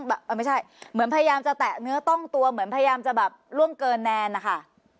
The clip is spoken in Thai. ไม่ใช่เหมือนพยายามจะแตะเนื้อต้องตัวเหมือนพยายามจะแบบล่วงเกินแนนนะคะ